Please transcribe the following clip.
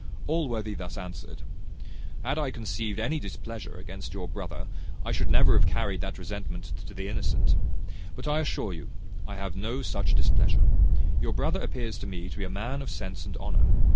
Allworthy thus answered: "Had I conceived any displeasure against your brother, I should never have carried that resentment to the innocent: but I assure you I have no such displeasure. Your brother appears to me to be a man of sense and honour.